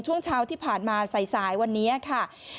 ช่วงเช้าที่ผ่านมาสายวันนี้ค่ะ